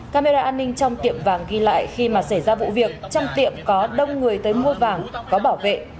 camera an ninh trong tiệm vàng ghi lại khi mà xảy ra vụ việc trong tiệm có đông người tới mua vàng có bảo vệ